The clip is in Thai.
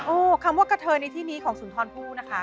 คำว่ากระเทยในที่นี้ของสุนทรพูดนะคะ